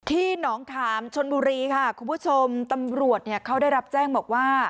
หนองขามชนบุรีค่ะคุณผู้ชมตำรวจเนี่ยเขาได้รับแจ้งบอกว่า